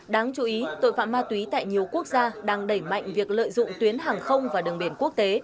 đáng chú ý tội phạm ma túy tại nhiều quốc gia đang đẩy mạnh việc lợi dụng tuyến hàng không và đường biển quốc tế